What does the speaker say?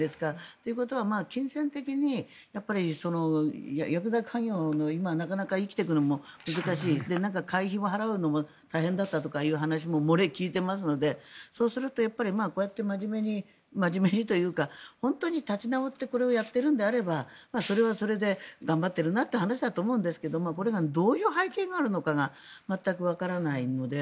ということは金銭的にヤクザ稼業で今、なかなか生きていくのも難しい会費を払うのも大変だったという話も漏れ聞いていますのでそうするとこうやって真面目に真面目にというか本当に立ち直ってこれをやっているのであればそれはそれで頑張っているなという話だと思うんですがこれがどういう背景があるのかが全くわからないので。